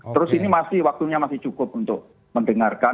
terus ini masih waktunya masih cukup untuk mendengarkan